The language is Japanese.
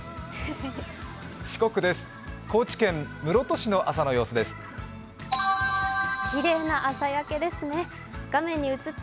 四国です、高知県室戸市の朝の様子です。